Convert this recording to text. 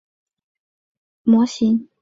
可以用微扰理论求解该近似模型。